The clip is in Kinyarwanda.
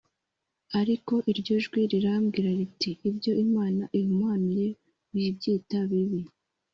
Ariko iryo jwi riramubwira riti ibyo Imana ihumanuye wibyita bibi